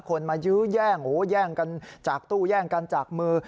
คนมายื้อแย่งโอ้โหแย่งกันจากตู้แย่งกันจากมือ